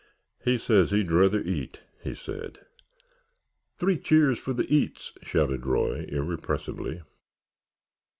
"He says he'd rather eat," he said. "Three cheers for the eats!" shouted Roy, irrepressibly.